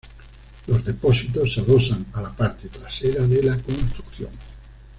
Los depósitos se adosan a la parte trasera de la construcción.